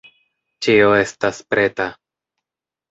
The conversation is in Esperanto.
Ĉio estas preta.